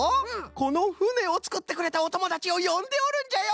このふねをつくってくれたおともだちをよんでおるんじゃよ！